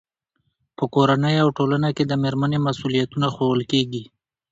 په کورنۍ او ټولنه کې د مېرمنې مسؤلیتونه ښوول کېږي.